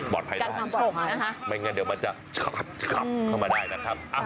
ปลอดภัยได้ไม่งั้นเดี๋ยวมันจะเข้ามาได้นะครับ